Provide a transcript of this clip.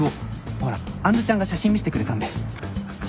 ほら杏ちゃんが写真見してくれたんで。